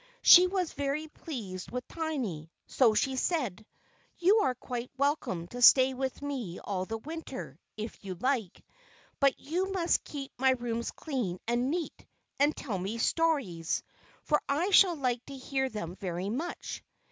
She was very pleased with Tiny, so she said: "You are quite welcome to stay with me all the Winter, if you like; but you must keep my rooms clean and neat, and tell me stories, for I shall like to hear them very much."